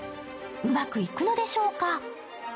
うまくいくのでしょうか。